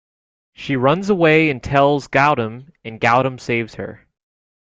She runs away and tells Gautham and Gautham saves her.